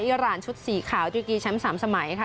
อิร่านชุดสีขาวจุดยุคีย์แชมป์๓สมัยค่ะ